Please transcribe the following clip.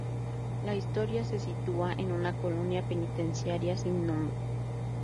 La historia se sitúa en una colonia penitenciaria sin nombre.